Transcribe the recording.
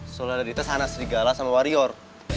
soalnya ada di tas anak serigala sama warior